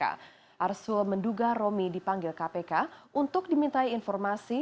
arsul menduga romi dipanggil kpk untuk dimintai informasi